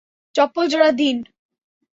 চপ্পল জোড়া দিন।